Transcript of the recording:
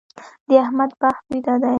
د احمد بخت ويده دی.